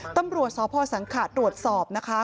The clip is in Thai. ตำรวจสพสังขะตรวจสอบนะคะ